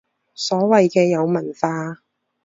所謂嘅有文化